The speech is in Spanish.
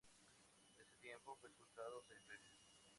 En ese tiempo, fue expulsado seis veces.